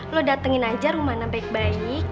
lo datengin aja rumahnya baik baik